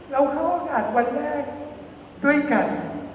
เราเข้าโอกาสวันแรกด้วยกัน